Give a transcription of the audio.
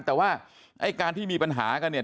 แต่ว่าไอ้การที่มีปัญหากันเนี่ย